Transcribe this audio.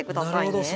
なるほど。